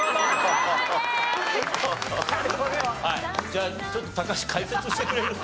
じゃあちょっと高橋解説してくれる？